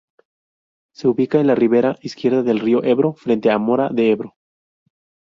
Se ubica en la ribera izquierda del río Ebro, frente a Mora de Ebro.